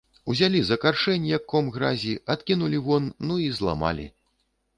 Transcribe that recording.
Узялі за каршэнь, як ком гразі, адкінулі вон, ну, і зламалі.